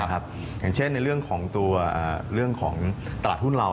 อย่างเช่นในเรื่องของตัวเรื่องของตลาดหุ้นเรา